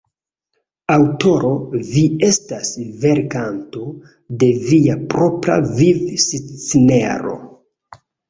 Aŭtoro: Vi estas verkanto de via propra viv-scenaro.